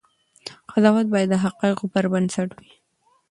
قضاوت باید د حقایقو پر بنسټ وي.